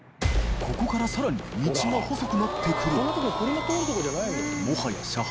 磴海海さらに道が細くなってくる磴